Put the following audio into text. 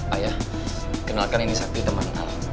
ayah kenalkan ini sakti teman alam